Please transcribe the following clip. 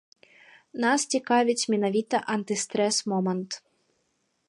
Нас цікавіць менавіта антыстрэс-момант.